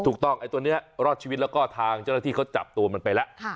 ถูกต้องไอ้ตัวนี้รอดชีวิตแล้วก็ทางเจ้าหน้าที่เขาจับตัวมันไปแล้ว